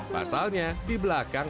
pasalnya di belakang